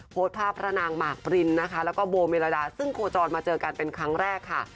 โพสต์ภาพพระนางหมากปรินนะคะแล้วก็โบเมรดาซึ่งโคจรมาเจอกันเป็นครั้งแรกค่ะ